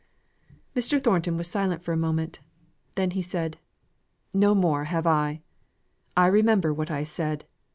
Mr. Thornton was silent for a moment; then he said: "No more have I. I remember what I said.